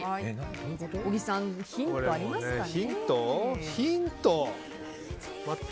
小木さん、ヒントありますかね。